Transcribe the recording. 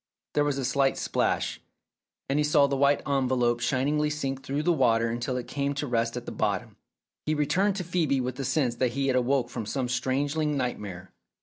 There was a slight splash, and he saw the white envelope shiningly sink through the water until it came to rest at the bottom. He returned to Phcebe with the sense that he had awoke from some strangling nightmare.